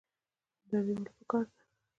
همدردي ولې پکار ده؟